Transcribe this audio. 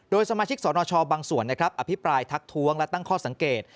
สมาชิกสนชบางส่วนนะครับอภิปรายทักท้วงและตั้งข้อสังเกต